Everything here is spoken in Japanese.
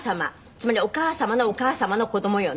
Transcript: つまりお母様のお母様の子供よね？